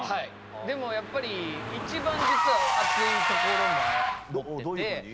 でもやっぱり一番実は熱いところ持ってて。